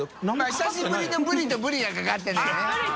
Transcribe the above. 久しぶり」の「ぶり」と「ブリ」がかかってるんだね。